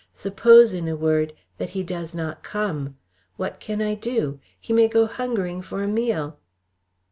Suppose in a word that he does not come! What can I do? He may go hungering for a meal."